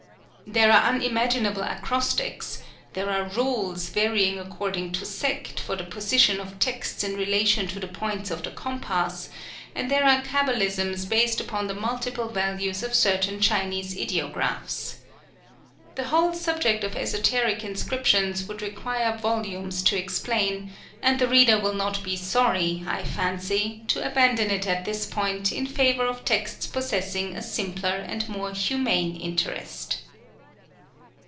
There are unimaginable acrostics; there are rules, varying according to sect, for the position of texts in relation to the points of the compass; and there are kabalisms based upon the multiple values of certain Chinese ideographs. The whole subject of esoteric inscriptions would require volumes to explain; and the reader will not be sorry, I fancy, to abandon it at this point in favor of texts possessing a simpler and a more humane interest.